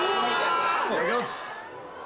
いただきます。